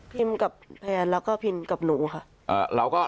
พิมพ์กับแพนแล้วก็พิมพ์กับหนูค่ะ